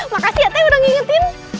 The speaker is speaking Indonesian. makasih ya teh udah ngingetin